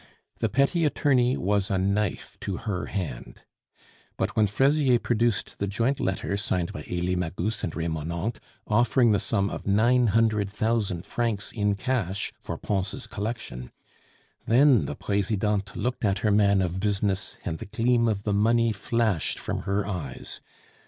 The petty attorney was a knife to her hand. But when Fraisier produced the joint letter signed by Elie Magus and Remonencq offering the sum of nine hundred thousand francs in cash for Pons' collection, then the Presidente looked at her man of business and the gleam of the money flashed from her eyes.